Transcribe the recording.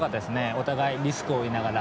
お互いリスクを負いながら。